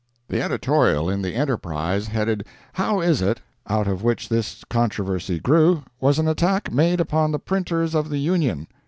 The editorial in the ENTERPRISE headed "How is it?" out of which this controversy grew, was an attack made upon the printers of the Union.